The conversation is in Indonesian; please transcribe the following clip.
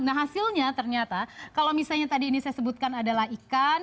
nah hasilnya ternyata kalau misalnya tadi ini saya sebutkan adalah ikan